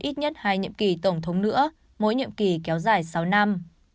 ít nhất hai nhiệm kỳ tổng thống nữa mỗi nhiệm kỳ kéo dài sáu năm